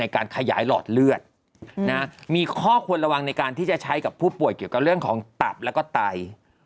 ก็ใช้กับผู้ป่วยเกี่ยวกับเรื่องของตับแล้วก็ไต